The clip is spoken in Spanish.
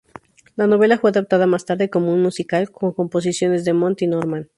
La novela fue adaptada más tarde como un musical, con composiciones de Monty Norman.